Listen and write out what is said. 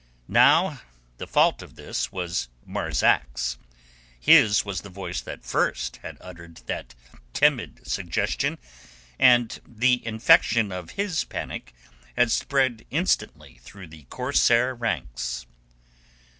Now, the fault of this was Marzak's. His was the voice that first had uttered that timid suggestion, and the infection of his panic had spread instantly through the corsair ranks.